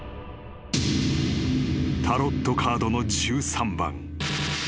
［タロットカードの１３番］